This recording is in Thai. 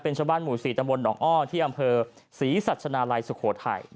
ชาวบ้านหมู่๔ตำบลหนองอ้อที่อำเภอศรีสัชนาลัยสุโขทัย